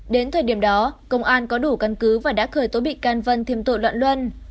đến thời điểm đó công an có đủ căn cứ và đã khởi tố bị can vân thêm tội loạn luân